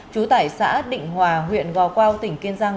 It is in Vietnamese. trú tại xã định hòa huyện gò quao tỉnh kiên giang